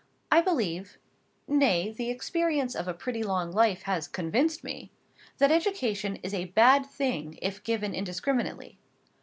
I believe—nay, the experience of a pretty long life has convinced me—that education is a bad thing, if given indiscriminately.